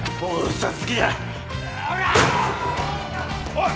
・おい。